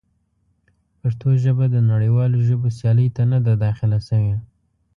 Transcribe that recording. پښتو ژبه د نړیوالو ژبو سیالۍ ته نه ده داخله شوې.